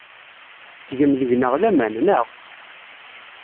Tettgem deg-neɣ laman, naɣ?